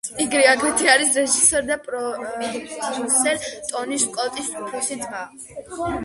იგი აგრეთვე არის რეჟისორ და პროდიუსერ ტონი სკოტის უფროსი ძმა.